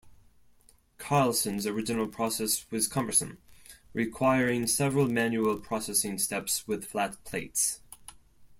Carlson's original process was cumbersome, requiring several manual processing steps with flat plates.